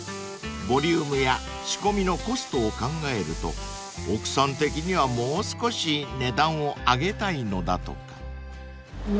［ボリュームや仕込みのコストを考えると奥さん的にはもう少し値段を上げたいのだとか］